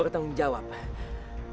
orang tidak berani men armedukannya